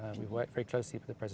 kami telah bekerja dengan sangat dekat